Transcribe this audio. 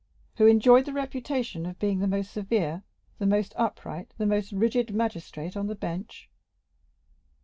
"Who enjoyed the reputation of being the most severe, the most upright, the most rigid magistrate on the bench?"